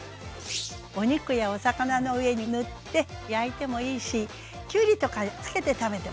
お肉やお魚の上に塗って焼いてもいいしきゅうりとかつけて食べてもいいわね。